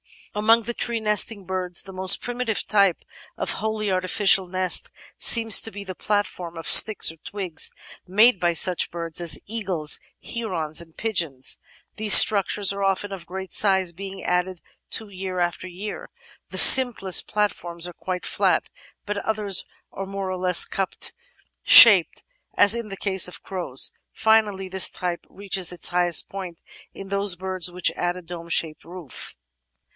Among the tree nesting birds the most primitive type of wholly artificial nest seems to be the platform of sticks or twigs made by such birds as eagles, herons, and pigeons. These struc tures are often of great size, being added to year after year. The simplest platforms are quite flat, but others are more or less cup shaped, as in the case of crows. Finally, this type reaches its highest point in those birds which add a dome shaped roof.